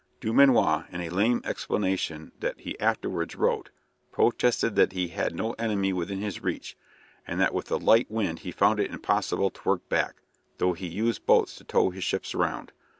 Dumanoir, in a lame explanation that he afterwards wrote, protested that he had no enemy within his reach, and that with the light wind he found it impossible to work back, though he used boats to tow his ships round.